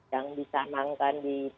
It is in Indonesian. yang disenangkan di